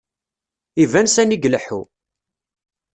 Iban sani ileḥḥu.